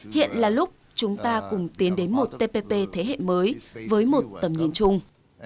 hiện là lúc chúng ta cùng tiến đến một tpp thế hệ mới với một tầm nhìn chung